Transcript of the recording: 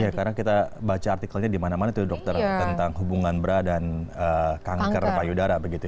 ya karena kita baca artikelnya dimana mana tuh dokter tentang hubungan berwarna dan kanker payudara begitu